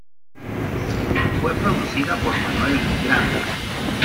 Fue producida por Manuel Granda.